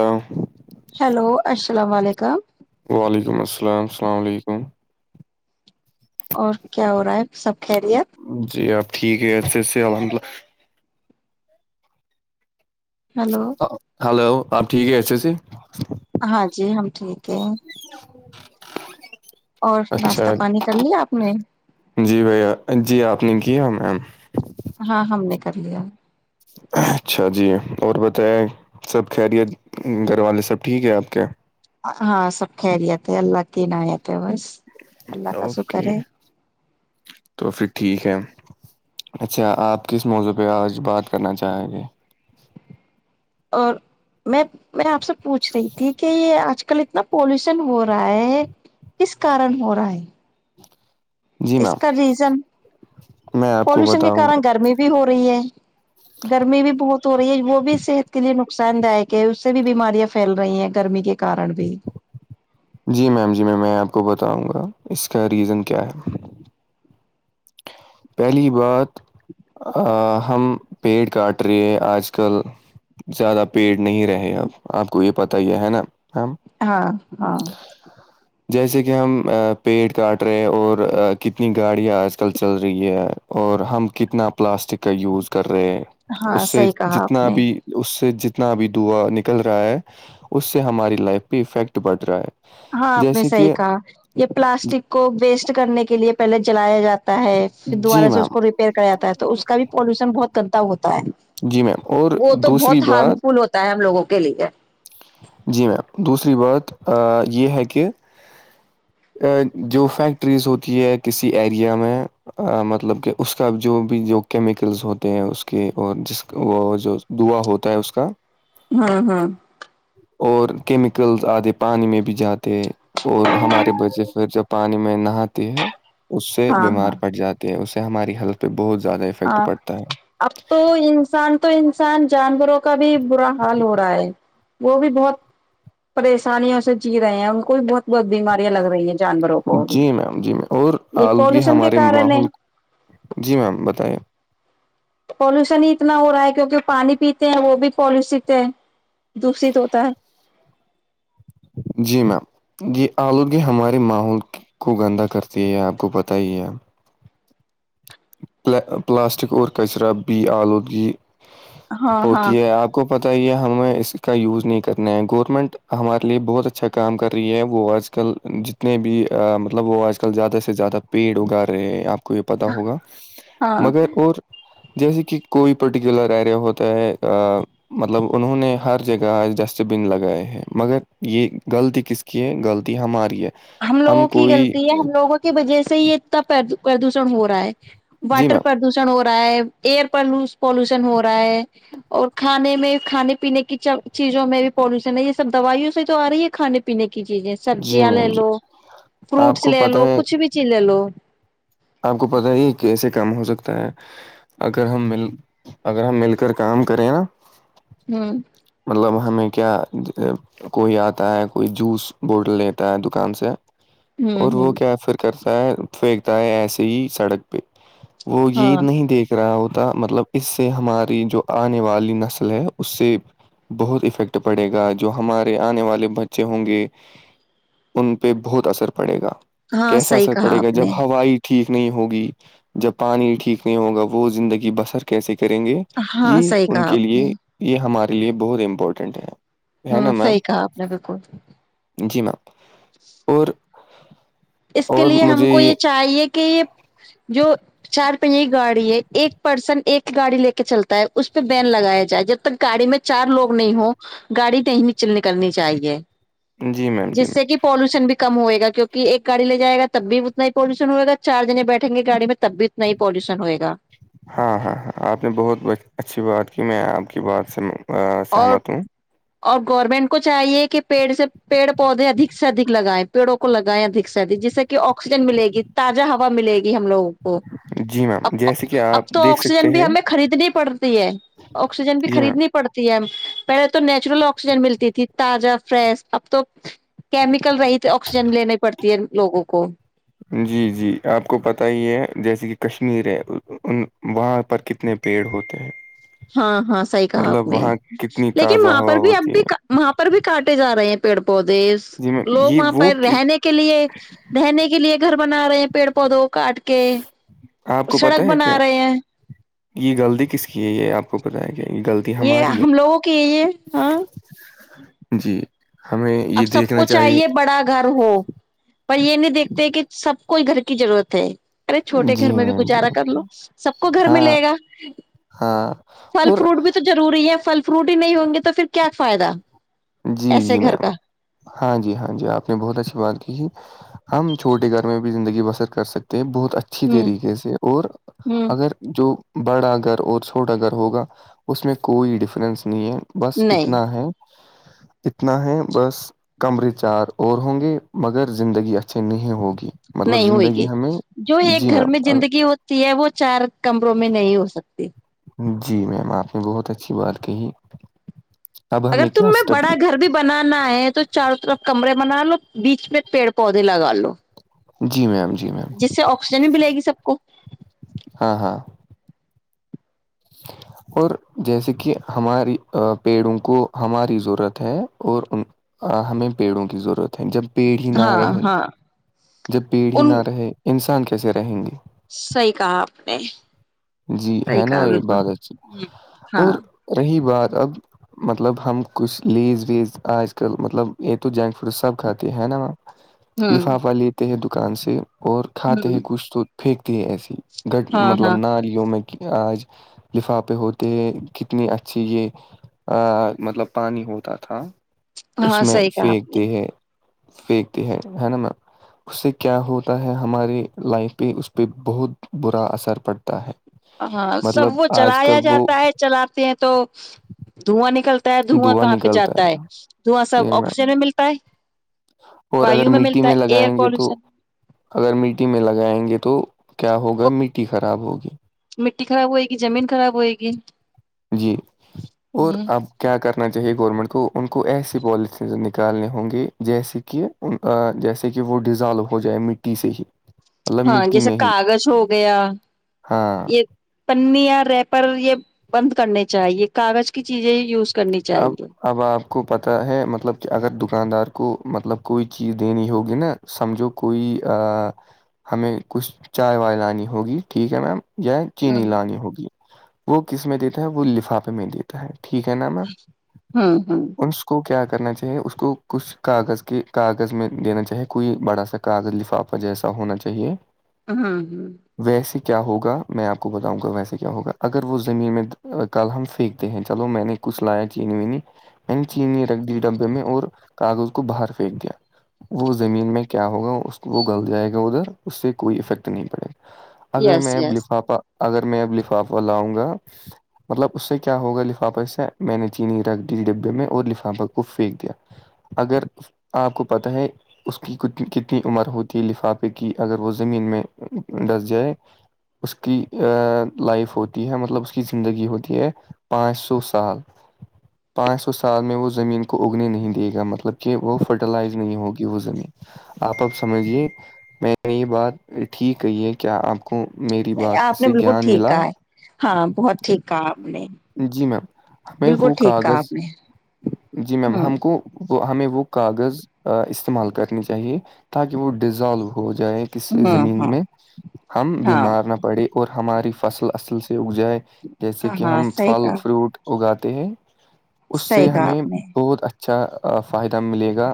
ہاں [unintelligible] ہیلو السلام علیکم وعلیکم السلام السلام علیکم اور کیا ہو رہا ہے سب خیریت جی آپ ٹھیک ہے اچھے سے الحمد للہ ہلو ہلو آپ ٹھیک ہے اچھے سے ہاں جی ہم ٹھیک ہے [unintelligible] [inaudible] اور اچھا ناشتہ پانی کر لیا آپ نے جی بھیا جی آپ نے کیا میم ہاں ہم نے کر لیا اچھا جی اور بتائے سب خیریت گھر والے سب ٹھیک ہے آپ کے ہاں سب خریت اللہ کی عنایت ہے بس اللہ کا اوکے شکر ہے تو پھر ٹھیک ہے اچھا آپ کس موضوع پہ آج بات کرنا چاہیں گے اور میں میں آپ سے پوچھ رہی تھی کہ یہ آج کل کل اتنا پالوشن ہو رہا ہے کس کارن ہو رہا ہے جی اس میم کا ریزن میں آپ کو پولوشن کے بتاؤں گا کارن گرمی بھی ہو رہی ہے گرمی بھی بہت ہو رہی ہے وہ بھی صحت کے لیے نقصان داک کہ اس سے بھی بیماریاں پھیل رہی ہیں گرمی کے کارن بھی جی میم جی میں میں آپ کو بتاؤں گا اس کا ریزن کیا ہے پہلی بات ہم پیڑ کاٹ رہے ہیں آج کل زیادہ پیڑ نہیں رہے اب آپ کو یہ پتا ہی ہے نا ہم ہاں ہاں جیسے کہ ہم پیڑ کاٹ رہے اور کتنی گاڑیاں آج کل چل رہ رہی ہے اور ہم کتنا پلاسٹک کا یوز کر رہے ہیں اس ہاں سے صحیح کہا آپ جتنا نے بھی اس سے جتنا بھی دوا نکل رہا ہے اس سے ہماری لائف پہ افیکٹ بڑھ رہا ہے ہاں آپ نے جیسے صحیح کہ کہا یہ پلاسٹک کو ویسٹ کرنے کے لیے پہلے جلایا جاتا ہے پھر جی دوبارہ سے اس میم کو ریپیئر کر جاتا ہے تو اس کا بھی پولوشن بہت گندا ہوتا ہے جی میم اور وہ تو بہت دوسری ہارم بات فل ہوتا ہے ہم لوگوں کے لیے جی میم دوسری بات یہ ہے کہ جو فیکٹریز ہوتی ہے کسی ایریا میں مطلب کہ اس کا جو بھی جو کیمیکلز ہوتے ہیں اس کے اور جس وہ جو دعا ہوتا ہے اس کا ہاں ہاں اور کیمیکلز آتے پانی میں بھی جاتے اور ہمارے بچے پھر جب پانی میں نہاتی ہے اس سے ہاں بیمار ہاں پڑ جاتے ہیں اس سے ہماری ہیلت پہ بہت زیادہ افیکٹ ہاں پڑتا ہے اب تو انسان تو انسان جانوروں کا بھی برا حال ہو رہا ہے وہ بھی بہت پریشانییا اس سے جی رہے ہیں ان کو بھی بہت بہت بیماریاں لگ رہی ہیں جانوروں کو بھی جی میم جی اور یہ آلودگی پالوشن کے ہمارے کارن ہے ماحول جی میم بتائیے پالوشن ہی اتنا ہو رہا ہے کیونکہ پانی پیتے ہیں وہ بھی پالوشت ہے دوسیت ہوتا ہے جی میم جی آلودگی ہمارے ماحول کو گندا کرتی ہے آپ کو پتا ہی ہے پلاسٹک اور کچرا بھی آلودگی ہاں ہاں ہوتی ہے آپ کو پتہ ہی ہے ہمیں اس کا یوز نہیں کرنا ہے گورنمنٹ ہمارے لیے بہت اچھا کام کر رہی ہے وہ آج کل جتنے بھی مطلب وہ آج کل زیادہ سے زیادہ پیڑ اگا رہے ہیں آپ کو یہ پتاہ ہوگا ہاں مگر اور جیسے کہ کوئی پرٹیکولر ایریا ہوتا ہے مطلب انہوں نے ہر جگہ ڈسٹ بن لگائے ہیں مگر یہ غلطی کس کی کے غلطی ہماریی ہے ہم لوگوں کی غلطی ہے ہم لوگوں کی وجہ سے یہ اتنا پردوشن ہو رہا ہے جی واٹر میم پر شن ہو رہا ہے ایئر پالوشن ہو رہا ہے اور کھانے میں کھانے پینے کی چیزوں میں بھی پالوشن ہے یہ سب دوائیوں سے تو آ رہی ہے کھانے پینے کی چیزیں جی سبزیاں لے میم جی لو آپ فروٹس کو لے پتہ لو ہے کچھ بھی چیز لے لو آپ کو پتا ہی کیسے کام ہو سکتا ہے اگر ہم مل اگر ہم مل کر کام کریں نا ہاں مطلب ہمیں کیا کوئی آتا ہے کوئی جوس بوٹل لیتا ہے دکان سے ہ اور ہ وہ کیا فر کرتا ہے پھینکتا ہے ایسے ہی سڑک پہ وہ عید ہاں نہیں دیکھ کرایہ ہوتا مطلب اس سے ہماری جو آنے والی نسل ہے اس سے بہت افیکٹ پڑے گا جو ہمارے آنے والے بچے ہوں گے ان پہ بہت اثر پڑے گا ہاں کیسا صحیح اثر کہا پڑے گا آپ جب نے ہوائی ٹھیک نہیں ہوگی جب پانی ٹھیک نہیں ہوگا وہ زندگی بسر کیسے کریں گے ہاں یہ صحیح ان کہا کے آپ نے لیے یہ ہمارے لیے بہت امپورٹنٹ ہے ہے ہوں نا میم صحیح کہا آپ نے بالکل جی میم اور اس کے اور لیے مجھے ہم کو یہ چاہیے کہ یہ جو چار پن گاڑی ہے ایک پرسن ایک گاڑی لے کے چلتا ہے اس پہ بین لگایا جائے جب تک گاڑی میں چار لوگ نہیں ہو گاڑی نہیں مچل نکلنی چاہیے جی میم جی جس سے میم کہ پالوشن بھی کم ہوئے گا کیونکہ ایک گاڑی لے جائےا تب بھی اتنا ہی پالیوشن ہوئےا چار جنے بیٹھ گاڑی میں تب بھی اتنا ہی پالوشن ہوئےا ہاں ہاں ہاں آپ نے بہت اچھی بات کی میں آپ کی بات سے اور سہمت ہوں اور گورنمنٹ کو چاہیے کہ پیڑ سے پیڑ پودے ادک سے ادک لگائائےیں پیڑوں کو لگائیں ادک سے اک جیسے کہ آکسیجن ملے گی تازہ ہوا ملے گی ہم لگوں کو جی اب میم جیسے کہ اب آپ تو دیکھ سکتے آکسیجن بھی ہیں ہمیں خریدنی پڑتی ہے آکسیجن بھی جی میم خریدنی پڑتا پہلے تو نیچرل آکسیجن ملتی تھی تازہ فریش اب تو کیمیکل رہی آکسیجن لیینی پڑتی ہے لوگوں کو جی جی آپ کو پت ہی ہے جیسے کہ کشمیر ہے وہاں پر کتنے پیڑ ہوتے ہیں ہاں ہاں صحیح کہا آپ مطلب نے وہاں کتنی لیکن تازہ وہاں ہوا پر بھی اب ہوتی ہے بھی وہاں پر بھی کاٹے جا رہے ہیں پیڑ پودے جی میم لوگ یہ وہاں وہ پر کس- رہنے کے لیے رہنے کے لیے گھر بنا رہے ہیں پیڑ پودوں کاٹ کے آپ کو پتا سڑک ہے بنا کیا رہے ہیں یہ غلطی کس کی ہے یہ آپ کو بتیا گیا غلطی یہ ہماری ہم ہے لوگوں کی ہے یہ ہاں [inaudible] جی ہمیں اب یہ سب کو دیکھنا چاہیے بڑا گھر ہو پر یہ نہیں دیکھتے کہ سب کوئی گھر کی ضرورت ہے ارے چھوٹے جی گھر میں بھی میم جی گزارا میم، کر لو سب کو گھر میں ہاں لے گا ہاں پھل اور فروٹ بھی تو زوری ہے فل فروٹ ہی نہیں ہوں گے تو پھر کیا فائدہ جی ایسے جی گھر میم کا ہاں جی ہاں جی آپ نے بہت اچھی بات کی ہم چھوٹے گھر میں بھی زندگی بسر کر سکتے ہیں بہت اچھی ہوں طریقے سے اور ہوں اگر جو بڑا گھر اور چھوٹا گھر ہوگا اس میں کوئی ڈفرینس نہیں ہے بس نہیں اتنا ہے اتنا ہے بس کمرے چار اور ہوں گے مگر زندگی اچھے نہیں ہوگی مطلب نہیں ہوئے گی زندگی ہمیں جو ایک جی گھر میں میم زندگی ہو کی ہے وہ چار کمروں میں نہیں ہو سکتی جی میم آپ نے بہت اچھی بات کہی اب اگر ہمیں تم کیا میں اسٹپ بڑا گھر بھی بنانا ہے تو چاروں طرف کمرے بنا لو بیچ میں پیڑ پودے لگا لو جی میم جی میم جس سے آکسیجن ہی ملے گی سب کو ہاں ہاں [inaudible] اور جیسے کہ ہماری پیڑوں کو ہماری ضرورت ہے اور ان آ ہمیں پیڑوں کی ضرورت ہے جب پیڑ ہی نہ ہاں رہے ہاں جب بھیڑ ہی ان نہ رہے انسان کیسے رہیں گی صحیح کہا آپ نے جی صحیح ہے نا کہا یہ بات بالکل اچھی ہاں اور رہی بات اب مطلب ہم کچھ لیز ویز آج کل مطلب یہ تو جنک فروڈ سب کھاتے ہیں نا میم ہوں لفافہ لیتے ہیں دکان سے اور کھاتے ہیں ہوں کچھ تو پھینکتے ہیں ایسے ہی گٹ ہاں مطلب ہاں نا [unintelligible] لوں میں آج لفافے ہوتے ہیں کتنی اچھی یہ مطلب پانی ہوتا تھا اس ہاں میں صحیح کہا آپ نے پھینکتے ہیں پھینکتے ہے ہے نا میم اس سے کیا ہوتا ہے ہماری لائف پہ اس پہ بہت برا اثر پڑتا ہے ہاں سب مطلب وہ آج چلایا کل وہ جاتا ہے چلاتے ہیں تو دھواں نکل دھواں دعا کہاں پہ نکلتا جاتا ہے دھواں جی سب میم آکسیجن میں ملتا ہے اور اگر وایو مٹی ملتا ہے میں ایئر لگائیں گے تو پالوشن اگر مٹی میں لگائیں گے تو کیا ہوگا وہ مٹی خراب ہوگی مٹی خراب ہوئے گی زمین خراب ہوئے گی جی اور ہ اب کیا کرنا چاہیے گورنمنٹ کو ان کو ایسی پالیتینز نکالنے ہوں گی جیسے کہ ان جیسے کہ وہ ڈیزالو ہو جائے مٹی سے ہی مطلب ہاں مٹی جیسے میں ہی کاغذ ہو گیا ہاں یہ پنی یا ریپر یہ بند کرنے چاہیے کاغذ کی چیزیں یوز کرنی اب چاہیے اب آپ کو پتا ہے مطلب کہ اگر دکاندار کو مطلب کوئی چیز دینی ہوگی نا سمجھو کوئی ہمیں کچھ چائے وائے لانی ہوگی ٹھیک ہے میم یا ہ چینی لانی ہوگی وہ کس میں دیتا ہے وہ لفافے میں دیتا ہے ٹھیک ہے نا میم ہوں ہوں اس کو کیا کرنا چاہیے اس کو کچھ کاغذ کے کاغذ میں دینا چاہے کوئی بڑھا سک کاغذ لفافہ جیسا ہونا چاہیے ہوں ہ [unintelligible] ویسے کیا ہوگا میں آپ کو بتاؤں گا ویسے کیا ہوگا اگر وہ زمین میں کل ہم پھینکتے ہیں چلو میں نے کچھ لایا چینی وینی میں نے چینی رکھ دی ڈبے میں اور کاغذ کو باہر پھینک دیا وہ زمین میں کیا ہوگا وہ گل جائے گا ادھر اس سے کوئی افیکٹ نہیں پڑے گا اگر یس میں یس لفافہ اگر میں اب لفافہ لاؤں گا مطلب اس سے کیا ہوگا لفافہ اس سے میں نے چینی رکھ دی ڈبے میں اور لفافہ کو پھینک دیا اگر آپ کو پتا ہے اس کی کتنی عمر ہوتی ہے لفافے کی اگر وہ زمین میں ڈس جائے اس کی لائف ہوتی ہے مطلب اس کی زندگی ہوتی ہے پانچ سو سال پانچ سو سال میں وہ زمین کو اگنے نہیں دے گا مطلب کہ وہ فرٹیلائز نہیں ہوگی وہ زمین آپ اب سمجھیے میں نے یہ بات ٹھیک کہی ہے کیا آپ کو میری بات آپ نے سے بالکل گیان ٹھیک ملا کہا ہے ہاں بہت ٹھیک کہ آپ نے جی میم ہمیں بالکل وہ ٹھیک کہا کاغذ آپ نے جی میم ہوں ہم کو وہ ہمیں وہ کاغذ استعمال کرنی چاہیے تاکہ وہ ڈیزالو ہو جائے ک سے ہوں زمین ہاں میں ہم بیمار ہاں نہ پڑے اور ہماری فصل اصل سے اگ جائے جیسے کہ ہاں ہم صحیح پھل کہا فروٹ اگاتے ہیں اس صحیح سے کہا ہمیں آپ نے بہت اچھا اچھا فائدہ ملے گا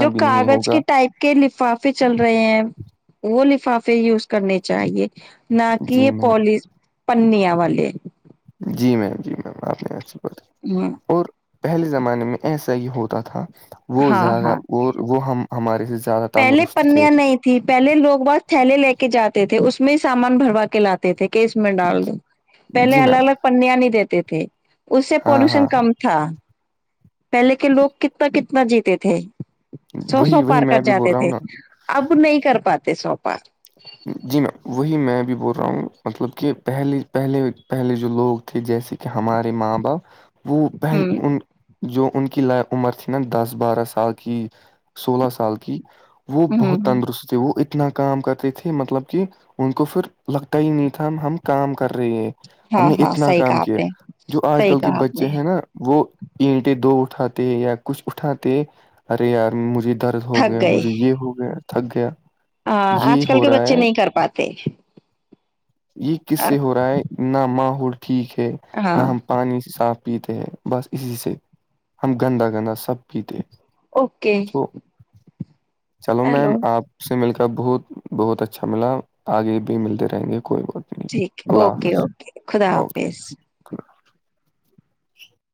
جو بھی نہیں کاغذ کے ہوگا ٹائپ کے لفافے چل رہے ہیں وہ لفافے یوز کرنے چاہیے نہ جی کہ میم [unintelligible] پنیا والے جی میم جی میم آپ نے اچھی بات ہوں اور پہلے زمانے میں ایسا ہی ہوتا تھا وہ ہاں زیادہ ہاں وہ وہ ہم ہمارے سے زیادہ پہلے تندرست تھے پنیاں نہیں تھی پہلے لوگ بت تھیلے لے کے جاتے تھے اس میں ہی سامان بھروا کے لاتے تھے کہ اس میں ڈال دو پہلے جی الگ میم الگ پنیا نہیں دیتے تھے اس سے ہاں ہاں پالوشن ہاں کم ا تھا پہلے کے لوگ کتنا کتنا جیتے تھے سو سو وہی وہی پار میں کر بھی بول جاتے رہا ہوں تھے نا اب نہیں کر پاتے سو پار جی میم وہی میںبھی بول رہا ہوں مطلب کہ پہلے پہلے پہلے جو لوگے تھے جیسے کہ ہمارے ماں باپ وہ پہل ہوں ان جو ان کی لا عمر تھی نا دس بارہ سال کی سولہ سال کی وہ بہت ہوں تندرست تے وہ اتنا کام کرتے تھے مطلب کہ ان کو پھر لگتا ہی نہیں تھا ہم کام کر رہے ہیں ہم ہاں نے ہاں اتنا صحیح کام کہا آپ کیا نے جو آج صحیح کل کے کہا آپ نے بچے ہیں نا وہ اینٹے دو اٹھاتے یا کچھ اٹھاتے ارے یار مجھے درد ہو تھک گیا مجھے یہ ہو گیا تھک گیا ا آج یہ کل ہو کے رہا بچے ہے نہیں کر پاتے یہ کس سے ہو رہا ہے نہ ماحول ٹھیک ہے نہ ہاں ہم پانی صاف پیتے ہیں بس اسی سے ہم گندا گندا سب پیتے ہیں اوکے سو چلو میم ہیلو آپ سے مل کر بہت بہت اچھا ملا آگے بھی ملتے رہیں گے ق ٹھیک اوکے اوکے خدا اوکے حافظ [inaudible]